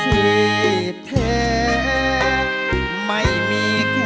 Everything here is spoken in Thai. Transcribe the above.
ที่แท้ไม่มีแค่